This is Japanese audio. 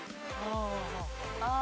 ああ。